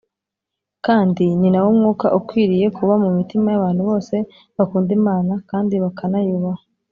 kandi ni nawo mwuka ukwiriye kuba mu mitima y’abantu bose bakunda imana kandi bakanayubaha.